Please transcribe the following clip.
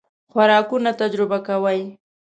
خوراکونه تجربه کوئ؟